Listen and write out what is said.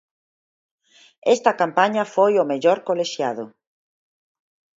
Esta campaña foi o mellor colexiado.